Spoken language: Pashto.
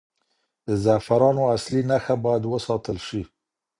د زعفرانو اصلي نښه باید وساتل شي.